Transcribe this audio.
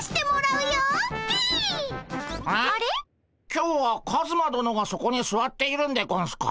今日はカズマどのがそこにすわっているんでゴンスか？